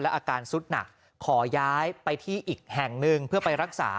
อาการสุดหนักขอย้ายไปที่อีกแห่งหนึ่งเพื่อไปรักษา